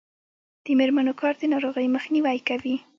د میرمنو کار د ناروغیو مخنیوی کوي.